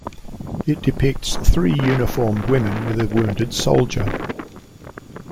It depicts three uniformed women with a wounded soldier.